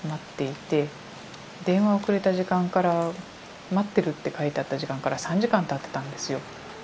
電話をくれた時間から待ってるって書いてあった時間から３時間たってたんですよ。